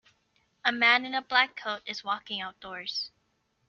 A man in a black coat is walking outdoors.